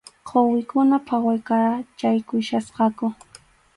Quwikuna phawaykachaykuchkasqaku.